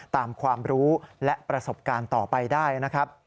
ความรู้และประสบการณ์ต่อไปได้นะครับ